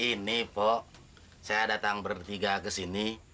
ini pok saya datang bertiga kesini